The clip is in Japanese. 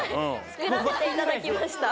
作らせていただきました。